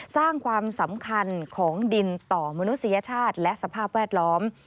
สร้างความสำคัญของดินต่อมนุษยชาติและสภาพแวดล้อม